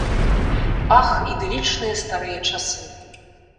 Ах, ідылічныя старыя часы!